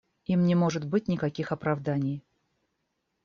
Им не может быть никаких оправданий.